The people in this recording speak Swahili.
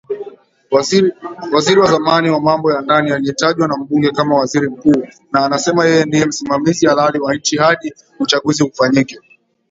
Waziri wa zamani wa mambo ya ndani aliyetajwa na bunge kama waziri mkuu, na anasema yeye ndiye msimamizi halali wa nchi hadi uchaguzi ufanyike